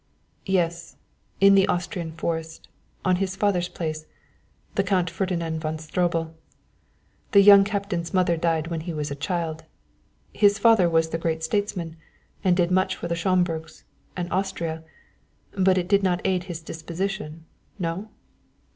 "Yes; in the Austrian forest, on his father's place the Count Ferdinand von Stroebel. The young captain's mother died when he was a child; his father was the great statesman, and did much for the Schomburgs and Austria; but it did not aid his disposition no?"